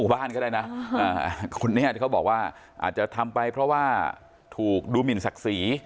บ้านก็ได้นะคนนี้เขาบอกว่าอาจจะทำไปเพราะว่าถูกดูหมินศักดิ์ศรี